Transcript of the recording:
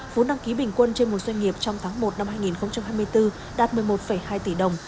vốn đăng ký bình quân trên một doanh nghiệp trong tháng một năm hai nghìn hai mươi bốn đạt một mươi một hai tỷ đồng